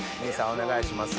お願いします。